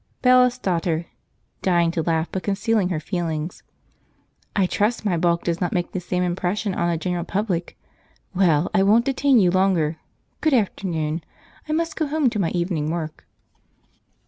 Bailiff's Daughter (dying to laugh, but concealing her feelings). "I trust my bulk does not make the same impression on the general public! Well, I won't detain you longer; good afternoon; I must go home to my evening work."